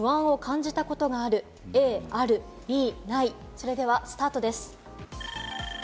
それではスタートです。